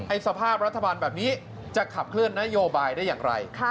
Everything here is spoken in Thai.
สภาพรัฐบาลแบบนี้จะขับเคลื่อนนโยบายได้อย่างไร